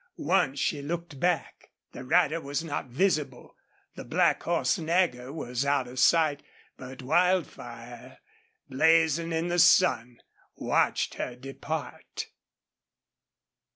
Once she looked back. The rider was not visible; the black horse, Nagger, was out of sight, but Wildfire, blazing in the sun, watched her depart.